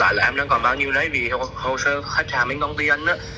hiện tại là em đang còn bán như thế vì hồ sơ khách hàng của công ty anh